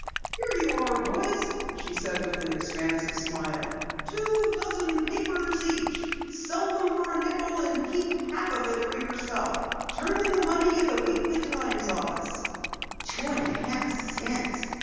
"Here you are, boys," she said with an expansive smile. "Two dozen papers each. Sell them for a nickel and keep half of it for yourself. Turn in the money at the Weekly Times office." "Two and a half cents!"